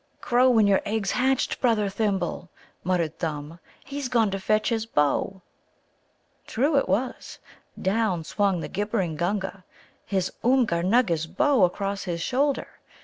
"Crow when your egg's hatched, brother Thimble," muttered Thumb. "He's gone to fetch his bow." True it was. Down swung the gibbering Gunga, his Oomgar nugga's bow across his shoulder.